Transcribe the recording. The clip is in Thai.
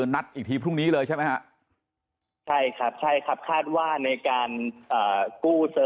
นัดอีกทีพรุ่งนี้เลยใช่ไหมฮะใช่ครับใช่ครับคาดว่าในการกู้เจอ